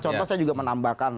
contoh saya juga menambahkan